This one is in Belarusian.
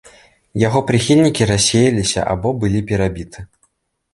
Яго прыхільнікі рассеяліся або былі перабіты.